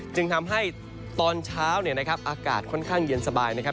จึงทำให้ตอนเช้าเนี่ยนะครับอากาศค่อนข้างเย็นสบายนะครับ